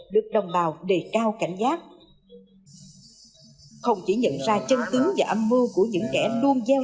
được đồng bào đề cao cảnh giác không chỉ nhận ra chân tướng và âm mưu của những kẻ luôn gieo